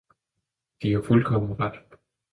– De har fuldkommen ret!